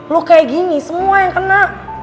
lu kayak gini semua yang kena